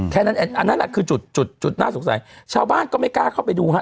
แค่นั้นอันนั้นแหละคือจุดจุดน่าสงสัยชาวบ้านก็ไม่กล้าเข้าไปดูฮะ